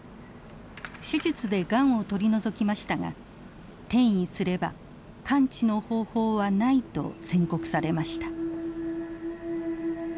手術でがんを取り除きましたが転移すれば完治の方法はないと宣告されました。